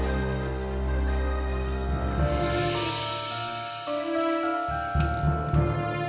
suka juga aku